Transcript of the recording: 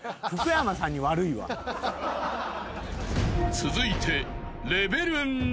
［続いて］